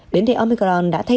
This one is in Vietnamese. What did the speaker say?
biến thể omicron đã thay